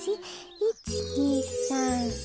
１２３４。